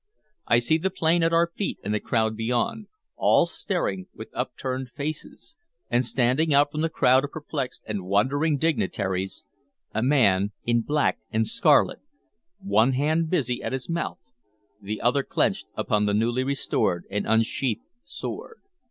I see the plain at our feet and the crowd beyond, all staring with upturned faces; and standing out from the group of perplexed and wondering dignitaries a man in black and scarlet, one hand busy at his mouth, the other clenched upon the newly restored and unsheathed sword.